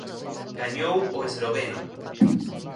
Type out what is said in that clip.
Gañou o esloveno.